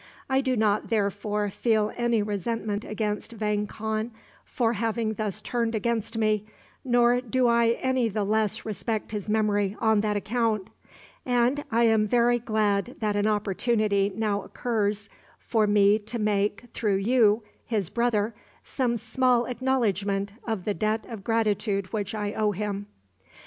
I do not, therefore, feel any resentment against Vang Khan for having thus turned against me, nor do I any the less respect his memory on that account; and I am very glad that an opportunity now occurs for me to make, through you, his brother, some small acknowledgment of the debt of gratitude which I owe him."